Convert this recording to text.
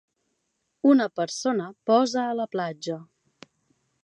Una persona posa a la platja